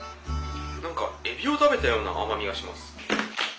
何かエビを食べたような甘みがします。